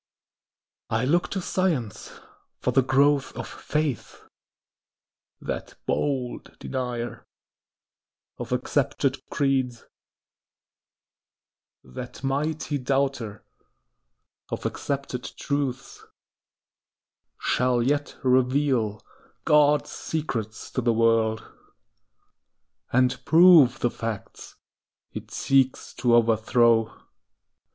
I look to Science for the growth of faith. That bold denier of accepted creeds— That mighty doubter of accepted truths— Shall yet reveal God's secrets to the world, And prove the facts it seeks to overthrow.